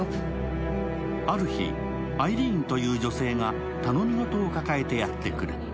ある日、アイリーンという女性が頼みごとを抱えてやってくる。